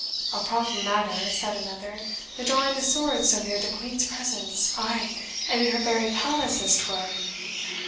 "A proper matter," said another, "the drawing of swords so near the Queen's presence, ay, and in her very palace as 'twere!